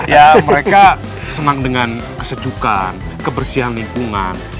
ya mereka senang dengan kesejukan kebersihan lingkungan